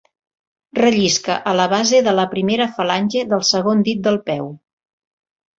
Rellisca a la base de la primera falange del segon dit del peu.